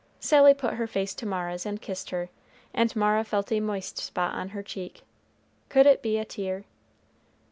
Sally put her face to Mara's and kissed her, and Mara felt a moist spot on her cheek, could it be a tear?